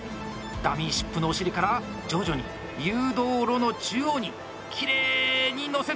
ダミーシップのお尻から徐々に誘導路の中央にきれいに乗せてきた。